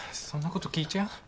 そんなこと聞いちゃう？